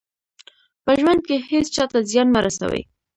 په ژوند کې هېڅ چا ته زیان مه رسوئ.